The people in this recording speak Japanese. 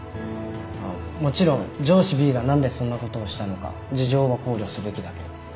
あっもちろん上司Ｂが何でそんなことをしたのか事情は考慮すべきだけど。